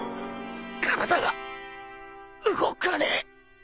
体が動かねえ。